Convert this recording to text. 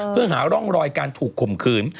เพื่อหาร่องรอยการถูกข่มขืน